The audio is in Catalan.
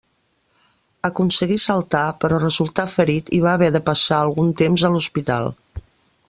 Aconseguí saltar, però resultà ferit i va haver de passar algun temps a l'hospital.